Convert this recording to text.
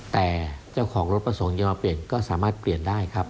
แต่เจ้าของรถประสงค์จะมาเปลี่ยนก็สามารถเปลี่ยนได้ครับ